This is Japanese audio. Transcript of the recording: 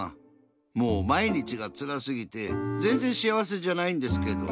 もうまいにちがつらすぎてぜんぜん幸せじゃないんですけど。